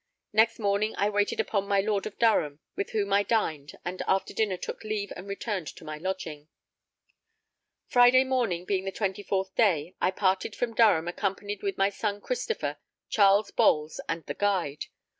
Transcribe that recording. Next morning I waited upon my Lord of Durham, with whom I dined, and after dinner took leave and returned to my lodging. Friday morning, being the 24th day, I parted from Durham accompanied with my son Christopher, Charles Bowles, and the guide.